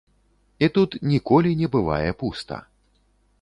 І тут ніколі не бывае пуста.